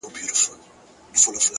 راځنې ورک یې کامه وال زړګیه